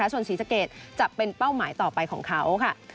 ส่วนศรีสะเกดจะเป็นเป้าหมายต่อไปของเขาค่ะ